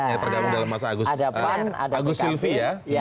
yang tergabung dalam masa agus sylvi ya